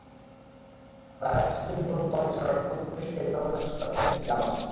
খরা আরও কিছুদিন প্রলম্বিত হলে ছড়াটি পুরোপুরি শুকিয়ে যাবে বলে আশঙ্কা করছেন গ্রামবাসী।